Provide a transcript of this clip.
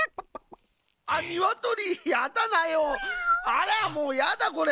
あらもうやだこれ。